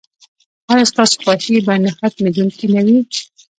ایا ستاسو خوښي به نه ختمیدونکې نه وي؟